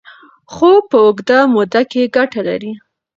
خو په اوږده موده کې ګټه لري.